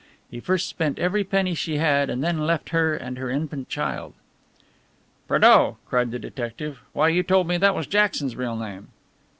He first spent every penny she had and then left her and her infant child." "Prédeaux!" cried the detective. "Why you told me that was Jackson's real name."